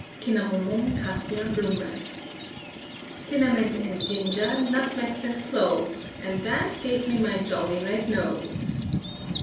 (Cinnamomum cassia blume.) "Sinament and ginger, nutmegs and cloves, And that gave me my jolly red nose."